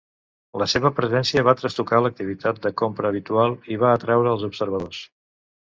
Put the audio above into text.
La seva presència va trastocar l'activitat de compra habitual i va atraure els observadors.